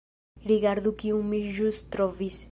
Rigardu kiun mi ĵus trovis